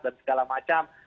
dan segala macam